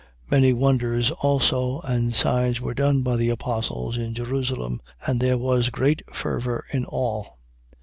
Many wonders also and signs were done by the apostles in Jerusalem: and there was great fervor in all.